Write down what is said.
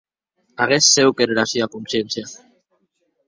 Aguest cèu qu’ère era sua consciéncia.